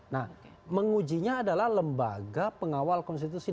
nah mengujinya adalah lembaga pengawal konstitusi